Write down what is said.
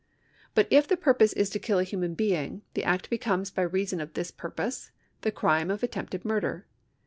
But if the pur pose is to kill a human being, the act becomes by reason of this puri)0se the crime of attempted murder.